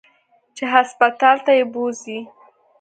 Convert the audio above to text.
چې هسپتال ته يې بوځي.